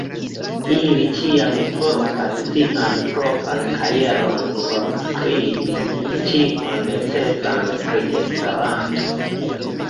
Ili ĉiam portas sian propran kajeron por skribi ĉion necesan pri Esperanto.